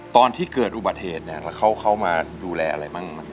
ตอนที่เกิดอุบัติเหตุเนี่ยแล้วเขามาดูแลอะไรบ้าง